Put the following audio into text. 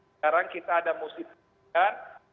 sekarang kita ada musim hujan